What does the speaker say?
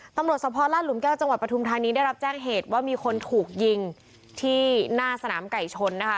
ตำรวจสพลาดหลุมแก้วจังหวัดปทุมธานีได้รับแจ้งเหตุว่ามีคนถูกยิงที่หน้าสนามไก่ชนนะคะ